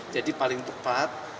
jadi paling tepat